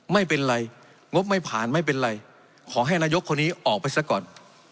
ไม่เป็นไรงบไม่ผ่านไม่เป็นไรขอให้นายกคนนี้ออกไปซะก่อน